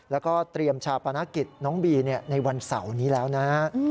แล้วก็เตรียมชาปนกิจน้องบีในวันเสาร์นี้แล้วนะฮะ